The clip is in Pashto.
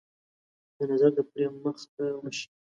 که نظر د پري مخ ته وشي.